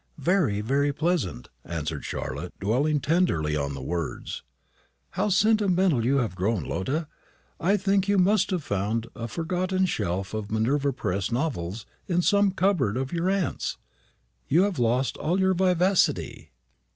"Very, very pleasant!" answered Charlotte, dwelling tenderly on the words. "How sentimental you have grown, Lotta! I think you must have found a forgotten shelf of Minerva Press novels in some cupboard at your aunt's. You have lost all your vivacity."